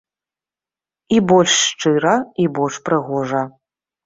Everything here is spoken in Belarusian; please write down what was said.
І больш шчыра, і больш прыгожа.